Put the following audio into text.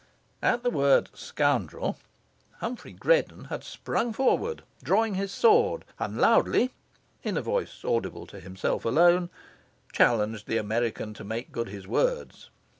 At the word "scoundrel," Humphrey Greddon had sprung forward, drawing his sword, and loudly, in a voice audible to himself alone, challenged the American to make good his words.